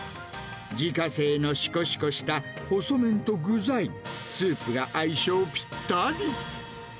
自家製のしこしこした細麺と具材、スープが相性ぴったり。